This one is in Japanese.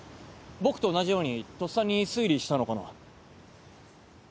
僕と同じようにとっさに推理したのかな？